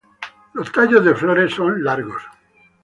Los tallos de las flores son largos.